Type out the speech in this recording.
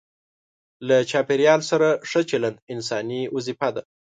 له چاپیریال سره ښه چلند انساني وظیفه ده.